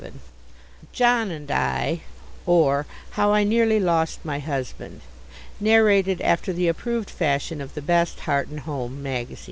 II JOHN AND I OR, HOW I NEARLY LOST MY HUSBAND (Narrated after the approved fashion of the best Heart and Home Magazines) _II.